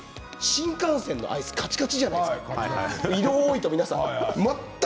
新幹線のアイスかちかちじゃないですか。